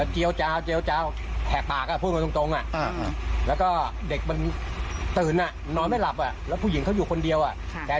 ทีนี้ทางด้านของตำรวจว่ายังไง